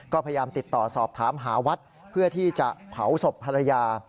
ก็พยายามติดต่อสอบถามหาวัดเพื่อที่จะเผาศพภรรยา